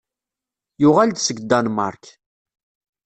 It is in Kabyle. Yuɣal-d seg Danmark.